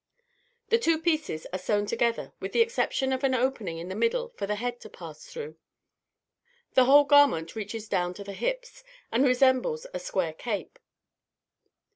The two pieces are sewn together, with the exception of an opening in the middle for the head to pass through; the whole garment reaches down to the hips, and resembles a square cape.